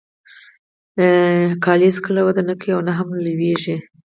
جامې هیڅکله وده نه کوي او نه هم لوییږي.